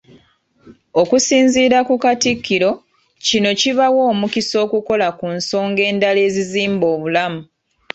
Okusinziira ku Katikkiro, kino kibawa omukisa okukola ku nsonga endala ezizimba obulamu.